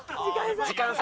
時間差。